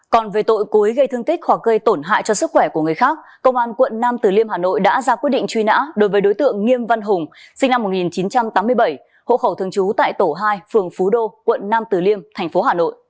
còn về tội cố ý gây thương tích hoặc gây tổn hại cho sức khỏe của người khác công an quận nam từ liêm hà nội đã ra quyết định truy nã đối với đối tượng nghiêm văn hùng sinh năm một nghìn chín trăm tám mươi bảy hộ khẩu thường trú tại tổ hai phường phú đô quận nam từ liêm thành phố hà nội